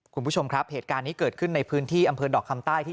คุณผู้ชมครับเหตุการณ์นี้เกิดขึ้นในพื้นที่อำเภอดอกคำใต้ที่